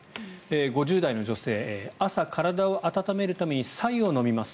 ５０代の女性朝、体を温めるためにさゆを飲みます。